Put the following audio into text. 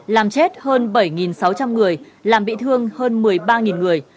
làm chết hơn bảy sáu trăm linh người làm bị thương hơn một mươi ba người